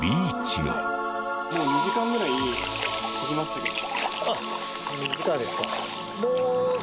もう２時間ぐらい経ちますけど。